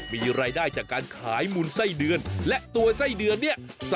มีรายได้จากการขายมูลไส้เดือนและตัวไส้เดือนเนี่ย